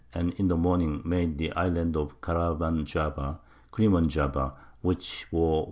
and in the Morning made the Islands of Caraman Java [Crimon Java], which bore N.